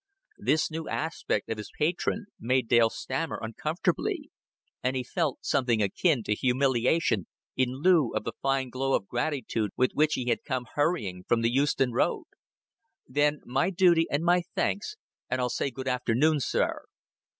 This new aspect of his patron made Dale stammer uncomfortably; and he felt something akin to humiliation in lieu of the fine glow of gratitude with which he had come hurrying from the Euston Road. "Then my duty and my thanks and I'll say good afternoon, sir."